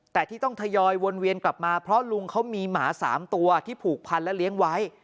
แต่ที่ต้องทยอยวนเวียนกลับมาเพราะลุงเขามีหมา๓ตัวที่ผูกพันและเลี้ยงไว้